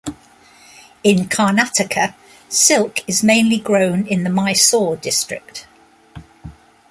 In Karnataka, silk is mainly grown in the Mysore district.